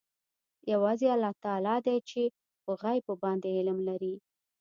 یوازې الله تعلی دی چې په غیبو باندې علم لري.